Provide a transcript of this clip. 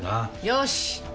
よし！